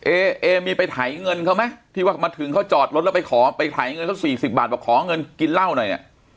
เอเอมีไปไถเงินเขาไหมที่ว่ามาถึงเขาจอดรถแล้วไปขอไปถ่ายเงินสักสี่สิบบาทบอกขอเงินกินเหล้าหน่อยเนี่ย